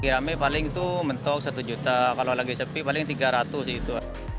rame paling itu mentok satu juta kalau lagi sepi paling tiga ratus gitu